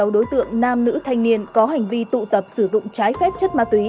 sáu đối tượng nam nữ thanh niên có hành vi tụ tập sử dụng trái phép chất ma túy